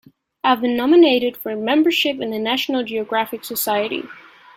I've been nominated for membership in the National Geographic Society.